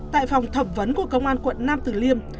tại phòng thẩm vấn của công an quận nam tử liêm